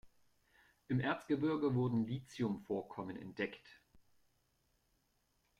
Im Erzgebirge wurden Lithium-Vorkommen entdeckt.